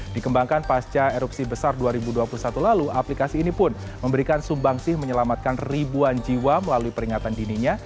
dikembangkan pasca erupsi besar dua ribu dua puluh satu lalu aplikasi ini pun memberikan sumbang sih menyelamatkan ribuan jiwa melalui peringatan dininya